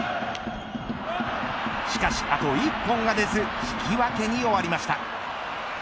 しかしあと１本が出ず引き分けに終わりました。